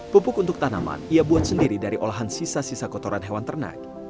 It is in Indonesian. pupuk untuk tanaman ia buat sendiri dari olahan sisa sisa kotoran hewan ternak